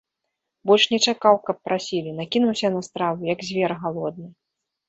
Больш не чакаў, каб прасілі, накінуўся на страву, як звер галодны.